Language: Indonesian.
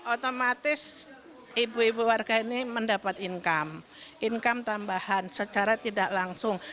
otomatis ibu ibu warga ini mendapat income tambahan secara tidak langsung